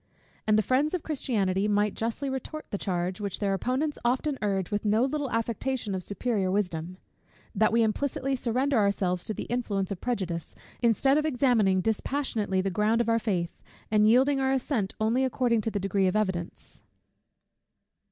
And the friends of Christianity might justly retort the charge, which their opponents often urge with no little affectation of superior wisdom; that we implicitly surrender ourselves to the influence of prejudice, instead of examining dispassionately the ground of our faith, and yielding our assent only according to the degree of evidence.